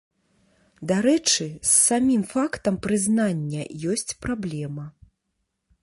Дарэчы, з самім фактам прызнання ёсць праблема.